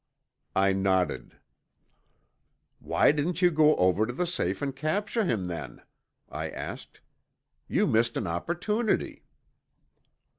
I nodded. "Why didn't you go over to the safe and capture him then?" I asked. "You missed an opportunity."